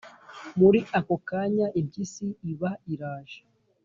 Muri ako kanya impyisi iba iraje